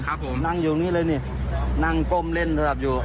ครับผมนั่งอยู่ตรงนี้เลยนี่นั่งก้มเล่นระดับอยู่